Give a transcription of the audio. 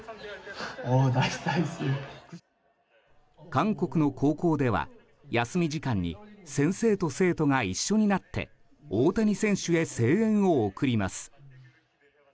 韓国の高校では、休み時間に先生と生徒が一緒になって大谷選手へ声援を送ります。